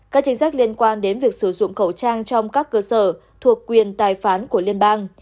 các chính sách liên quan đến việc sử dụng khẩu trang trong các cơ sở thuộc quyền tài phán của liên bang